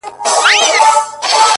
• نظرونه دي زر وي خو بیرغ باید یو وي ,